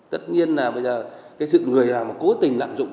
tất nhiên là bây giờ cái sự người nào mà cố tình lạm dụng